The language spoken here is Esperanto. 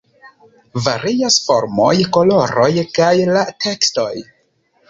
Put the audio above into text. Varias formoj, koloroj kaj la tekstoj.